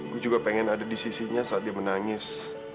gue juga pengen ada di sisinya saat dia menangis